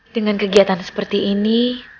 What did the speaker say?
dengan kegiatan seperti ini